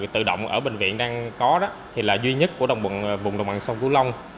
máy tự động ở bệnh viện đang có là duy nhất của vùng đồng bằng sông cửu long